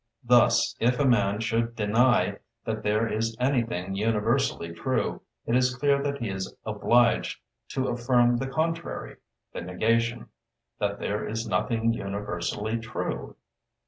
Thus, if a man should deny that there is anything universally true, it is clear that he is obliged to affirm the contrary, the negation—that there is nothing universally true.